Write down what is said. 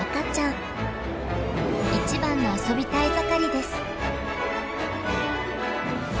一番の遊びたい盛りです。